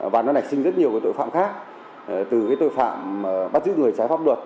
và nó nạch sinh rất nhiều tội phạm khác từ tội phạm bắt giữ người trái pháp luật